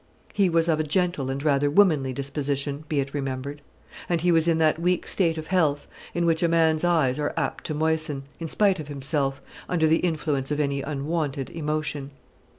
He was of a gentle and rather womanly disposition, be it remembered; and he was in that weak state of health in which a man's eyes are apt to moisten, in spite of himself, under the influence of any unwonted emotion.